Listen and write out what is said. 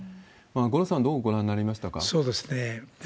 五郎さん、どうご覧になりましたそうですね。